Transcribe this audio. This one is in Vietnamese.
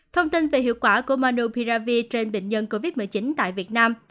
thông tin về hiệu quả của manopiravi trên bệnh nhân covid một mươi chín tại việt nam